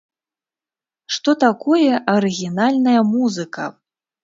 Што такое арыгінальная музыка?